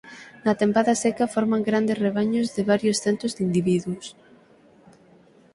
Na tempada seca forman grandes rabaños de varios centos de individuos.